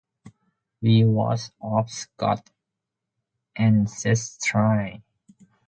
He was of Scotch ancestry.